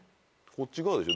こっち側でしょ。